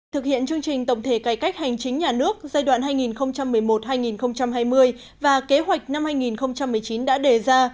thực hiện chương trình tổng thể cải cách hành chính nhà nước giai đoạn hai nghìn một mươi một hai nghìn hai mươi và kế hoạch năm hai nghìn một mươi chín đã đề ra